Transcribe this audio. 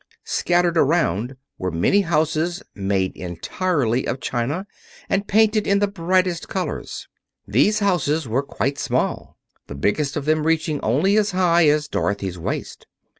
Scattered around were many houses made entirely of china and painted in the brightest colors. These houses were quite small, the biggest of them reaching only as high as Dorothy's waist.